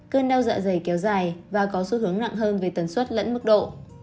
cơn đau dạ dày kéo dài và có xu hướng nặng hơn về tần suất lẫn mức độ